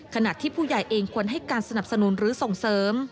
ขณะที่ผู้ใหญ่เองควรให้การสนับสนุนหรือส่งเสริม